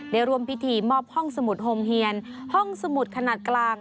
ได้ร่วมพิธีมอบห้องสมุดโฮมเฮียนห้องสมุดขนาดกลาง